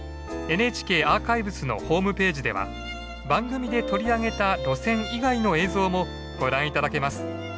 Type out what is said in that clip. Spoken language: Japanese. ＮＨＫアーカイブスのホームページでは番組で取り上げた路線以外の映像もご覧頂けます。